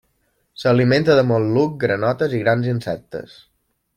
S'alimenta de mol·luscs, granotes i grans insectes.